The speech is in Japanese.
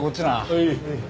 はい。